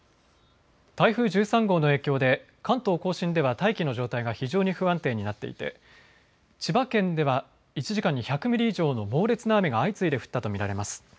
台風１３号の影響で関東甲信では大気の状態が非常に不安定になっていて千葉県では１時間に１００ミリ以上の猛烈な雨が相次いで降ったと見られます。